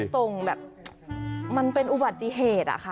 ส่งแบบมันเป็นอุบัติเหตุอะค่ะ